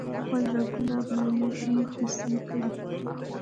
خپل رګونه مې تسمې کړې